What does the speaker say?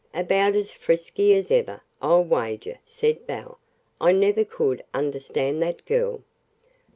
"About as frisky as ever, I'll wager," said Belle. "I never could understand that girl."